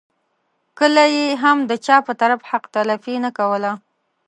کله یې هم د چا په طرف حق تلفي نه کوله.